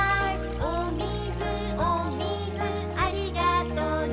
「おみずおみずありがとね」